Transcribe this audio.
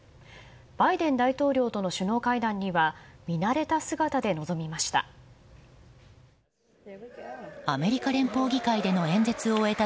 バイデン大統領との首脳会談には見慣れた姿で臨みました。